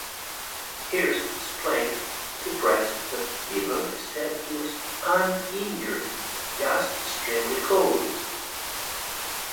Hirst explained to the press that Diver said he was uninjured, just extremely cold.